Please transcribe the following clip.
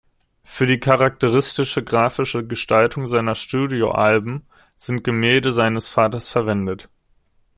Für die charakteristische graphische Gestaltung seiner Studioalben sind Gemälde seines Vaters verwendet.